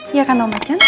iya kan om acan